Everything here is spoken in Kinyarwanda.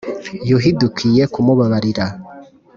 Yuhi dukwoye kumubabarira